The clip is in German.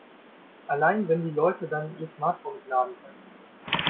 Allein, wenn die Leute dann ihr Smartphone nicht laden können.